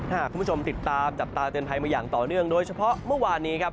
ถ้าคุณผู้ชมติดตามจับตาเตือนภัยมาอย่างต่อเนื่องโดยเฉพาะเมื่อวานนี้ครับ